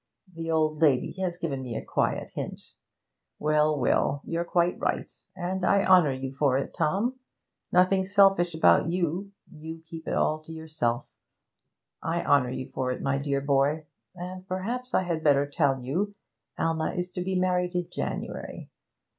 The old lady has given me a quiet hint. Well, well, you're quite right, and I honour you for it, Tom. Nothing selfish about you; you keep it all to yourself; I honour you for it, my dear boy. And perhaps I had better tell you, Alma is to be married in January.